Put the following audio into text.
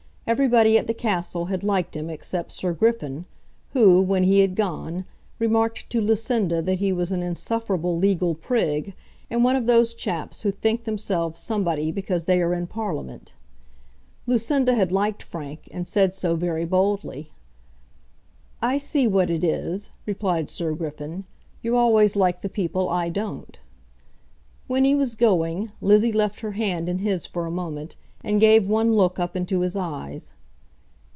Everybody at the castle had liked him except Sir Griffin, who, when he had gone, remarked to Lucinda that he was an insufferable legal prig, and one of those chaps who think themselves somebody because they are in Parliament. Lucinda had liked Frank, and said so very boldly. "I see what it is," replied Sir Griffin; "you always like the people I don't." When he was going, Lizzie left her hand in his for a moment, and gave one look up into his eyes.